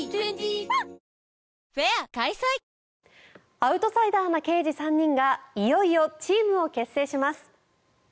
アウトサイダーな刑事３人がいよいよチームを結成します。